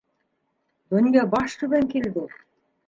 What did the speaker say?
Донъя баш түбән килде!